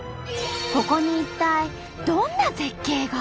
ここに一体どんな絶景が？